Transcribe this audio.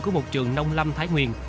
của một trường nông lâm thái nguyên